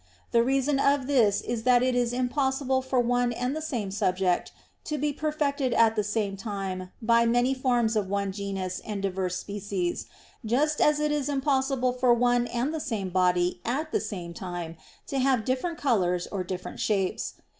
The reason of this is that it is impossible for one and the same subject to be perfected at the same time by many forms of one genus and diverse species, just as it is impossible for one and the same body at the same time to have different colors or different shapes.